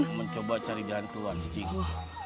saya mencoba cari jalan keluar cikgu